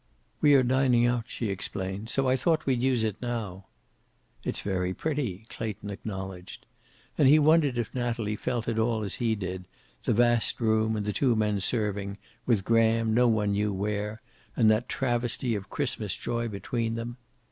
"We are dining out," she explained. "So I thought we'd use it now." "It's very pretty," Clayton acknowledged. And he wondered if Natalie felt at all as he did, the vast room and the two men serving, with Graham no one knew where, and that travesty of Christmas joy between them.